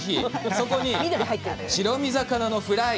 そこに白身魚のフライ！